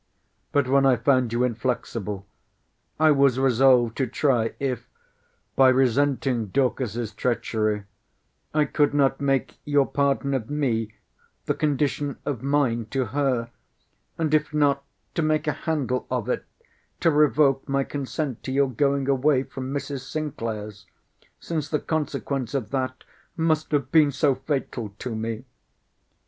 But when I found you inflexible, I was resolved to try, if, by resenting Dorcas's treachery, I could not make your pardon of me the condition of mine to her: and if not, to make a handle of it to revoke my consent to your going away from Mrs. Sinclair's; since the consequence of that must have been so fatal to me.